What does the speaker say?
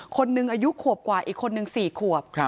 คนหนึ่งอายุขวบกว่าอีกคนนึง๔ขวบ